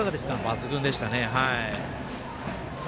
抜群でしたね。